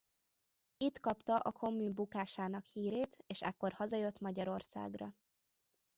Itt kapta a kommün bukásának hirét és ekkor hazajött Magyarországra.